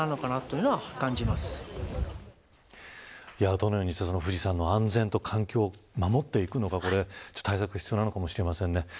どのように富士山の安全と環境を守っていくのか対策が必要かもしれません。